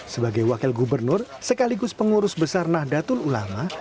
sebagai wakil gubernur sekaligus pengurus besar nahdlatul ulama